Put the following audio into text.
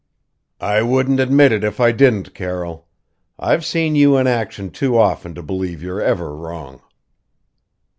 "I wouldn't admit it if I didn't, Carroll. I've seen you in action too often to believe you're ever wrong."